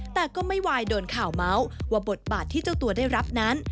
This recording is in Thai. แต่ก็ไม่วายโดนข่าวเมาส์ว่าบทบาทที่เจ้าตัวได้รับนั้น